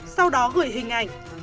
sau đó gửi hình ảnh